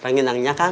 rangin rangin aja kan